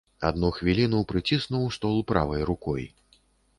Адну хвіліну прыціснуў стол правай рукой.